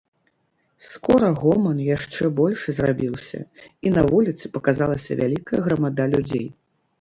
Скора гоман яшчэ большы зрабіўся, і на вуліцы паказалася вялікая грамада людзей.